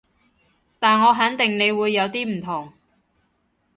但我肯定你會有啲唔同